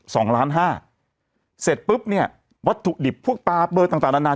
สองล้านห้าเสร็จปุ๊บเนี้ยวัตถุดิบพวกปลาเบอร์ต่างต่างนานา